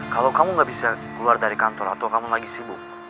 kalau kamu gak bisa keluar dari kantor atau kamu lagi sibuk